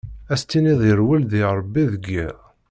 Ad s-tiniḍ irwel-d i Rebbi deg iḍ!